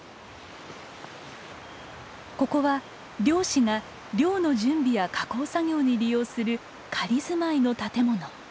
ここは漁師が漁の準備や加工作業に利用する仮住まいの建物。